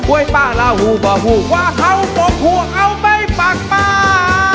เว้ยป่าลาหูป่าหูว่าเอาหอมโมกหัวเอาไปฝากป่า